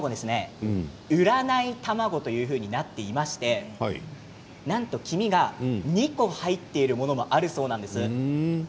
占いたまごというふうになっていましてなんと黄身が２個入っているものがあるそうなんです。